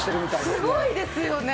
すごいですよね。